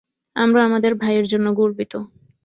আমরা আমাদের ভাইয়ের জন্য গর্বিত।